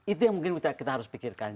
itu yang mungkin kita harus pikirkan